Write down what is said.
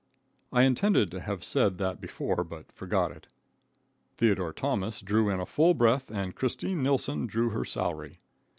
I intended to have said that before, but forgot it. Theodore Thomas drew in a full breath, and Christine Nilsson drew her salary.